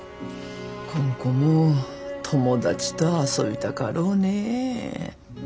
こん子も友達と遊びたかろうね。